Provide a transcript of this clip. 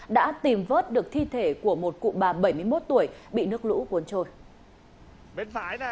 đã tìm vớt được thi thể của một cụ bà bảy mươi một tuổi bị nước lũ cuốn trôi